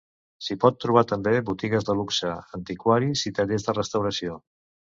S'hi pot trobar també botigues de luxe, antiquaris i tallers de restauració.